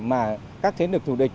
mà các thế lực thù địch